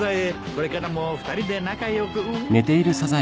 これからも２人で仲良く。